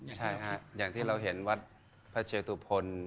ใช่ค่ะอย่างที่เราเห็นวัดพระเชตุพล